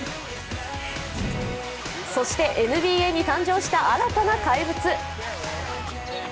そしてＮＢＡに誕生した新たな怪物。